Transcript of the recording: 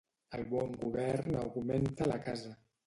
El bon govern augmenta la casa.